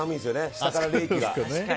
下から冷気が。